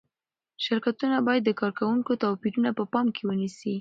شرکتونه باید د کارکوونکو توپیرونه په پام کې ونیسي.